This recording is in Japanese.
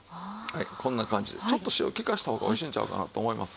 こんな感じでちょっと塩利かした方がおいしいんちゃうかなと思います。